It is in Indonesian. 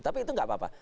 tapi itu tidak apa apa